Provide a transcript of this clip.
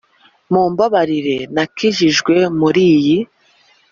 mumbabarire nakwinjije muriyi.